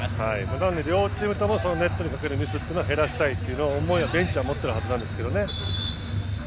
なので両チームともネットにかかるミスは減らしたいという思いはベンチは持っているはずなんですけどね。